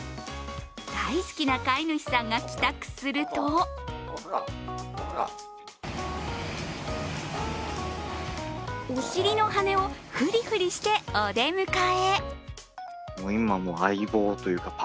大好きな飼い主さんが帰宅するとお尻の羽をフリフリしてお出迎え。